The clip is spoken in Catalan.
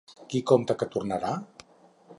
Qui compta que tornarà?